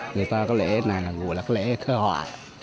người ta có lễ này là lễ cơ hội